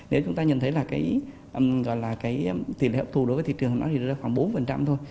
nếu chúng ta nhìn thấy là cái tỉ lệ hấp thụ đối với thị trường nó thì đạt ra khoảng bốn thôi